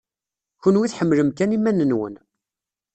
Kenwi tḥemmlem kan iman-nwen.